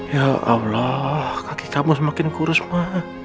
ya allah kaki kamu semakin kurus pak